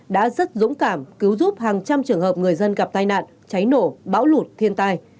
đã rất dũng cảm cứu giúp hàng trăm trường hợp người dân gặp tai nạn cháy nổ bão lụt thiên tai